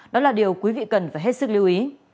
đó là điều quý vị cần phải hết sức lưu ý